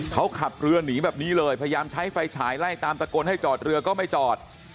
เขาขับเรือหนีแบบนี้เลยพยายามใช้ไฟฉายไล่ตามตะโกนให้จอดเรือก็ไม่จอด